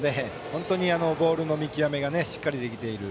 本当にボールの見極めがしっかりできている。